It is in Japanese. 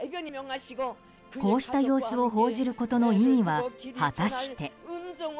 こうした様子を報じることの意味は、果たして。